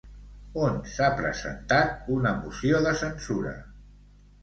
On s'ha presentat una moció de censura?